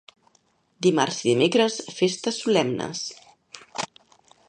Dimarts i dimecres, festes solemnes.